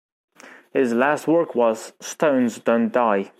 His last work was "Stones Don't Die".